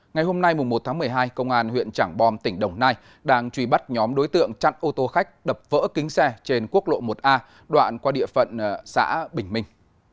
ngày hôm nay một tháng một mươi hai công an huyện trảng bom tỉnh đồng nai đang truy bắt nhóm đối tượng chặn ô tô khách đập vỡ kính xe trên quốc lộ một a đoạn qua địa phận xã bình minh